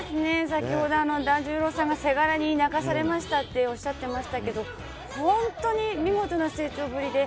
先ほど、團十郎さんがせがれに泣かされましたとおっしゃってましたけど本当に見事な成長ぶりで。